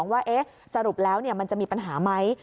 ว่าสรุปแล้วมันจะมีปัญหาไหม